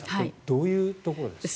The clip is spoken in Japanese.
どういうところですか。